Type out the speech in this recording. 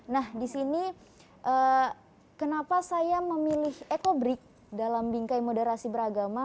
nah di sini kenapa saya memilih ecobrik dalam bingkai moderasi beragama